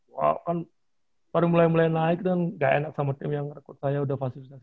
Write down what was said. wah kan baru mulai mulai naik kan gak enak sama tim yang rekrut saya udah fasilitas